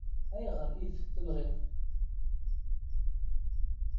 Ayɣer i t-tenɣiḍ?